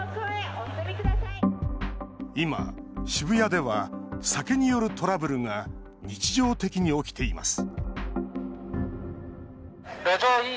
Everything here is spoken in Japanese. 今、渋谷では酒によるトラブルが日常的に起きています